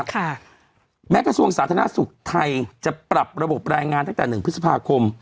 ค่ะแม้กระทรวงสาธารณสุขไทยจะปรับระบบรายงานตั้งแต่หนึ่งพฤษภาคม